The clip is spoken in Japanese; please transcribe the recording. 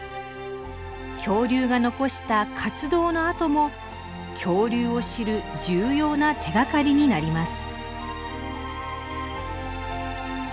恐竜が残した活動のあとも恐竜を知る重要な手がかりになります。